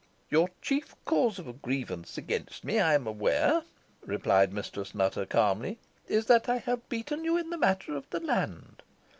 "Your chief cause of grievance against me, I am aware," replied Mistress Nutter, calmly, "is, that I have beaten you in the matter of the land.